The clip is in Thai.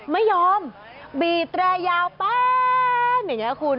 ไม่ยอมบีบแตรยาวแป๊บอย่างนี้คุณ